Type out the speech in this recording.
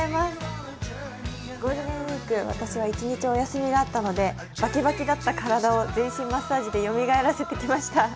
ゴールデンウイーク、私は１日お休みがあったのでバキバキだった体を全身マッサージでよみがえらせてきました。